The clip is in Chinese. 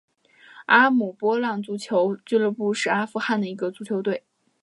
阿姆波浪足球俱乐部是阿富汗的一个足球队。